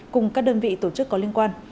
cùng các đơn vị tổ chức có liên quan